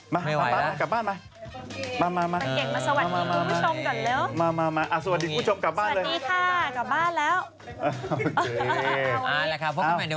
พาป๊ากลับบ้านหน่อยเร็วมาเร็ว